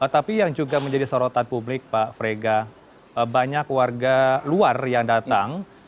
tapi yang juga menjadi sorotan publik pak frega banyak warga luar yang datang